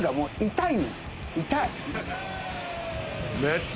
痛い。